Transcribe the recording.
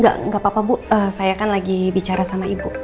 enggak enggak apa apa bu saya kan lagi bicara sama ibu